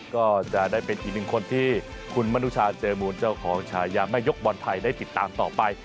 ก็จะได้เป็นอีกหนึ่งคนที่คุณมนุชาเจอมูลเจ้าของชายาแม่ยกบอลไทยได้ติดตามต่อไป